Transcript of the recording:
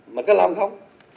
mà có làm không